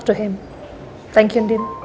terima kasih intin